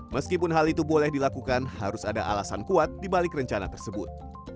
meskipun hal itu boleh dilakukan harus ada alasan kuat dibalik rencana tersebut